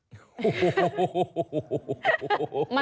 โอ้โห